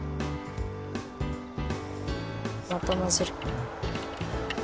またまぜる。